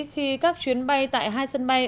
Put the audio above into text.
khi các chuyến bay tại hai sân bay